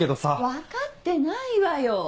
分かってないわよ。